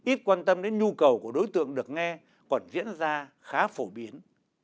ít quan tâm đến nhu cầu của đối tượng được nghe còn diễn ra khá phổ biến